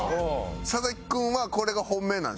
佐々木君はこれが本命なんでしょ？